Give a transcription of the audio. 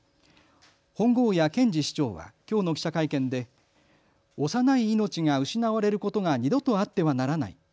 本郷谷健次市長はきょうの記者会見で幼い命が失われることが二度とあってはならない。